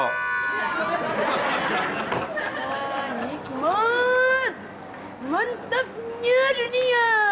wah nikmat mantapnya dunia